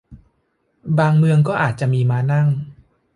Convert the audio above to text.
บางเมืองก็อาจจะมีม้านั่ง